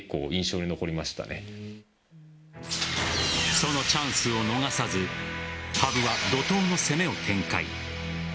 そのチャンスを逃さず羽生は怒涛の攻めを展開。